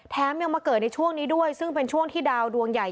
ยังมาเกิดในช่วงนี้ด้วยซึ่งเป็นช่วงที่ดาวดวงใหญ่